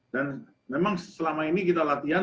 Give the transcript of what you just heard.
dan memang selama ini kita latihan